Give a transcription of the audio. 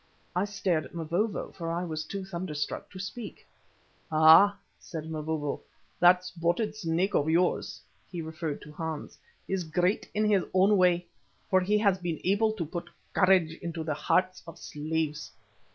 I stared at Mavovo, for I was too thunderstruck to speak. "Ah!" said Mavovo, "that Spotted Snake of yours" (he referred to Hans), "is great in his own way, for he has even been able to put courage into the hearts of slaves.